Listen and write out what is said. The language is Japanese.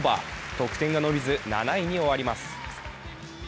得点が伸びず７位に終わります。